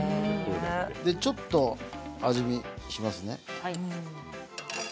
ちょっと味見しますね。